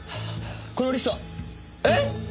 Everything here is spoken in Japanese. このリストはえっ！？